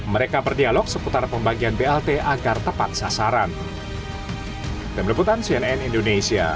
mereka berdialog seputar pembagian blt agar tepat sasaran